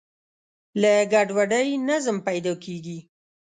له ګډوډۍ نظم پیدا کېږي.